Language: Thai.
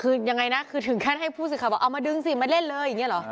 คือยังไงนะคือถึงขั้นให้ผู้สื่อข่าวบอกเอามาดึงสิมาเล่นเลยอย่างนี้เหรอ